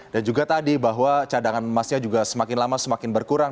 dan juga tadi bahwa cadangan emasnya juga semakin lama semakin berkurang